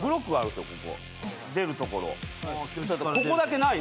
出るところ。